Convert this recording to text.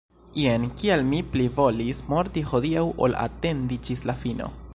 Jen kial mi plivolis morti hodiaŭ ol atendi ĝis la fino.